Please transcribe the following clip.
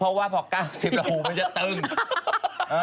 เพราะว่าพอ๙๐แล้วหูมันจะตึง